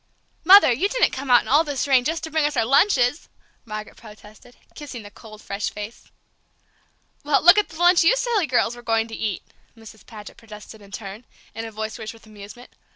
"Mother, you didn't come out in all this rain just to bring us our lunches!" Margaret protested, kissing the cold, fresh face. "Well, look at the lunch you silly girls were going to eat!" Mrs. Paget protested in turn, in a voice rich with amusement.